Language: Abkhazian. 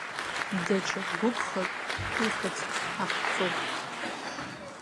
Даҽа гәықәхак ихьӡ ахҵоуп.